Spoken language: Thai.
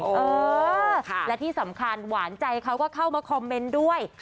เออและที่สำคัญหวานใจเขาก็เข้ามาคอมเมนต์ด้วย